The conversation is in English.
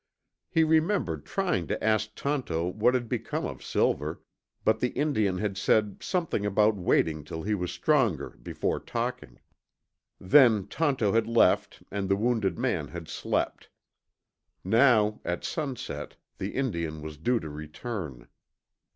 He remembered trying to ask Tonto what had become of Silver, but the Indian had said something about waiting till he was stronger before talking. Then Tonto had left and the wounded man had slept. Now, at sunset, the Indian was due to return.